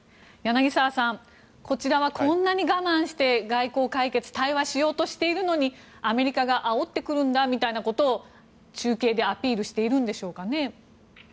柳澤さん、こちらはこんなに我慢して外交解決対話しようとしているのにアメリカがあおってくるんだみたいなことを中継でアピールしているんでしょうか。